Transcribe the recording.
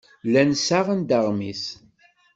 Llan ssaɣen-d aɣmis.